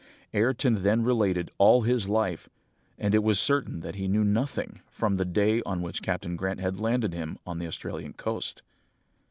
"Ayrton then related all his life, and it was certain that he knew nothing from the day on which Captain Grant had landed him on the Australian coast.